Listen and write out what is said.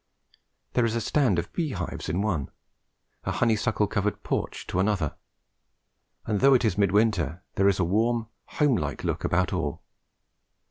There is a stand of bee hives in one, a honeysuckle covered porch to another, and, though it is mid winter, there is a warm home like look about all.